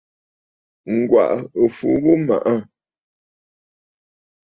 Ŋ̀gwàʼà ɨ fu ghu maʼà.